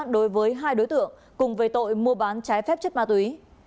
đối với hai đối tượng cùng về tội mua bán trái phép chất ma túy